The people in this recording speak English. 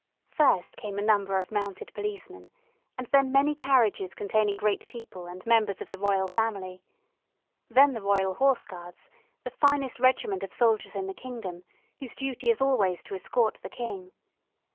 First came a number of mounted policemen, and then many carriages containing great people, and members of the Royal Family. Then the Royal Horse Guards, the finest regiment of soldiers in the kingdom, whose duty is always to escort the king.